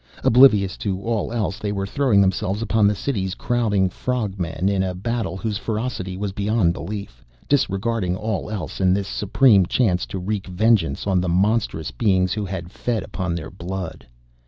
Oblivious to all else they were throwing themselves upon the city's crowding frog men in a battle whose ferocity was beyond belief, disregarding all else in this supreme chance to wreak vengeance on the monstrous beings who had fed upon their blood.